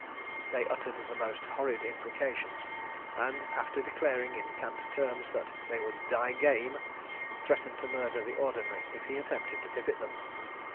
They uttered the most horrid imprecations; and, after declaring, in cant terms, that they would die game, threatened to murder the Ordinary if he attempted to visit them.